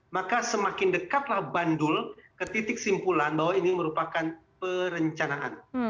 maka semakin dekatlah bandul ke titik simpulan bahwa ini merupakan perencanaan